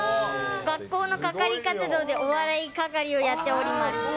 学校の係活動でお笑い係をやっております。